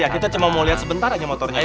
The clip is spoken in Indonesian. kita cuma mau lihat sebentar aja motornya